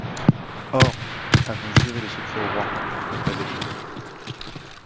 Or, avons juré le secret au roi, mais pas à Dieu.